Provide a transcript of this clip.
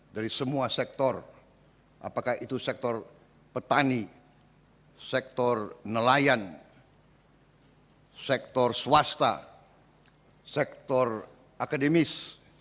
dari semua sektor apakah itu sektor petani sektor nelayan sektor swasta sektor akademis